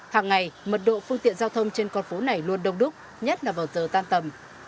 hàng ngày mật độ phương tiện giao thông trên con phố này luôn đông đúc nhất là vào giờ tan tầm